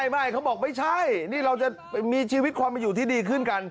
ไม่เขาบอกไม่ใช่นี่เราจะมีชีวิตความอยู่ที่ดีขึ้นกัน